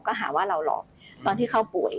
ก็หาว่าเราหลอกตอนที่เขาป่วย